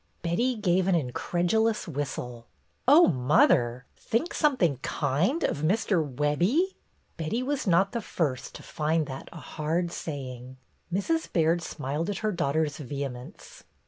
Betty gave an incredulous whistle. "Oh, mother! Think something kind of Mr. Webbie?" Betty was not the first to find that a hard saying. Mrs. Baird smiled at her daughter's vehe mence.